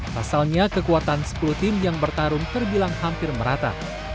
pasalnya kekuatan sepuluh tim yang bertarung terbilang hampir merata